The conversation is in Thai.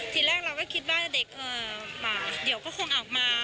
ทีแรกเราก็คิดว่าเด็กเดี๋ยวก็คงออกมา